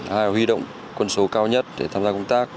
hai là huy động quân số cao nhất để tham gia công tác